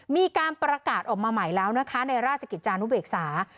มีการประกาศออกมาใหม่แล้วนะคะในราชกิจจานุเบกษา